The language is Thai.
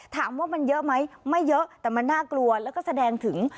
ถามว่ามันเยอะไหมไม่เยอะแต่มันน่ากลัวแล้วก็แสดงถึง